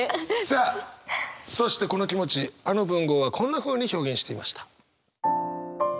さあそしてこの気持ちあの文豪はこんなふうに表現していました。